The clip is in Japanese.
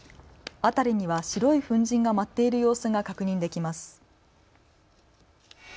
辺りには白い粉じんが舞っている様子が確認できます。